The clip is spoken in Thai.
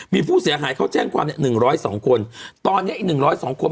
มีผู้เสียหายเขาแจ้งความเนี่ยหนึ่งร้อยสองคนตอนนี้อีกหนึ่งร้อยสองคน